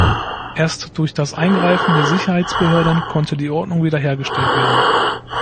Erst durch das Eingreifen der Sicherheitsbehörden konnte die Ordnung wiederhergestellt werden.